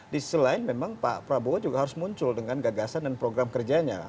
di sisi lain memang pak prabowo juga harus muncul dengan gagasan dan program kerjanya